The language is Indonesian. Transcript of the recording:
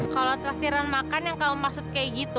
kalo traktiran makan yang kamu maksud kayak gitu